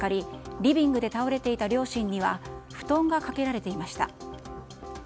リビングで倒れていた両親には布団がかけられていました。